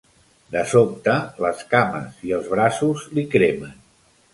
De sobte les cames i els braços li cremen.